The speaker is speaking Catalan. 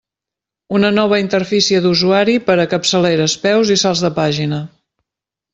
Una nova interfície d'usuari per a capçaleres, peus, i salts de pàgina.